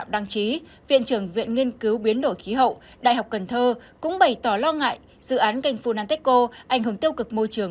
điều biến đổi khí hậu đại học cần thơ cũng bày tỏ lo ngại dự án kênh phunateco ảnh hưởng tiêu cực môi trường